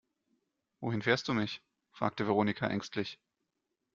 Wohin fährst du mich, fragte Veronika ängstlich.